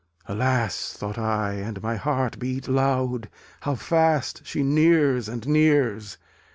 Alas! (thought I, and my heart beat loud) How fast she nears and nears!